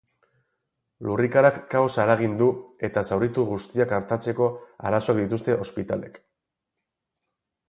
Lurrikarak kaosa eragin du eta zauritu guztiak artatzeko arazoak dituzte ospitalek.